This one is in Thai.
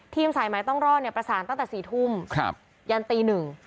ทีมสายไหมต้องรอดประสานตั้งแต่๔ทุ่มยันตี๑